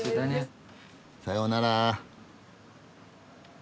さようなら。